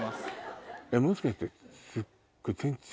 もしかして。